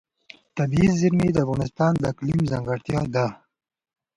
طبیعي زیرمې د افغانستان د اقلیم ځانګړتیا ده.